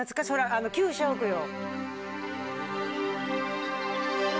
あの旧社屋よ